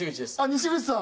西口さん。